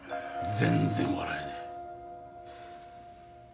全然笑えねぇ。